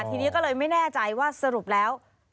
ทีนี้ก็เลยไม่แน่ใจว่าสรุปแล้ว